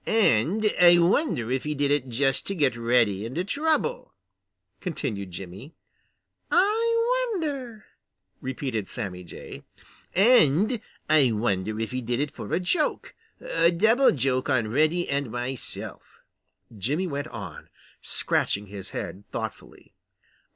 "And I wonder if he did it just to get Reddy into trouble," continued Jimmy. "I wonder," repeated Sammy Jay. "And I wonder if he did it for a joke, a double joke on Reddy and myself," Jimmy went on, scratching his head thoughtfully.